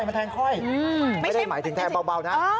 ไม่ได้หมายถึงแทงเบานะ